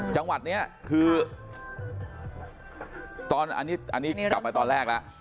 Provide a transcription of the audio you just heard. จังหวัดนี้คือตอนอันนี้กลับไปตอนแรกแล้ว